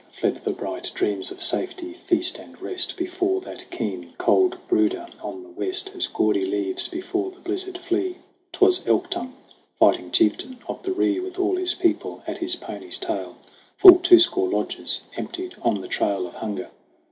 Fled the bright dreams of safety, feast and rest Before that keen, cold brooder on the West, As gaudy leaves before the blizzard flee. 'Twas Elk Tongue, fighting chieftain of the Ree, With all his people at his pony's tail Full two score lodges emptied on the trail Of hunger